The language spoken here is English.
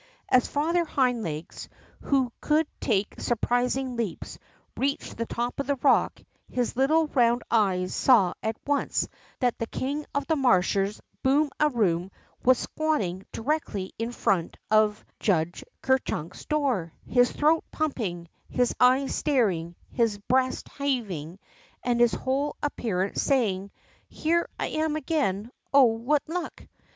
As Father Hind Legs, who could take surprising leaps, reached the top of the rock,, his little round eyes saw at once that the king of the Marshers, Boom a Room, was squatting directly in front of 52 THE BOCK FROG Judge Ker Cli link's door, his throat pumping, his eyes staring, his breast heaving, and his whole ap pearance saying: Here I am again. Oh, what luck